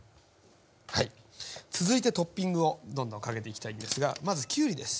続いてトッピングをどんどんかけていきたいんですがまずきゅうりです。